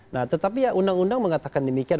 nah tetapi ya undang undang mengatakan demikian